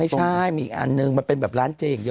ไม่ใช่มีอีกอันหนึ่งมันเป็นแบบร้านเจย์เยอะ